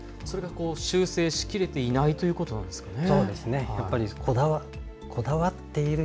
それが修正しきれてないということなんですかね。